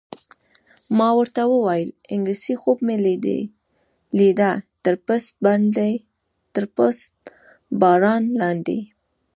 ما ورته وویل: انګلېسي خوب مې لیده، تر پست باران لاندې.